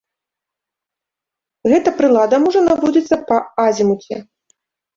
Гэта прылада можа наводзіцца па азімуце.